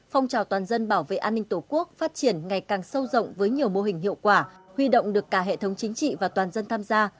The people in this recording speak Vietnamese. phong trào toàn dân bảo vệ an ninh tổ quốc phát triển ngày càng sâu rộng với nhiều mô hình hiệu quả huy động được cả hệ thống chính trị và toàn dân tham gia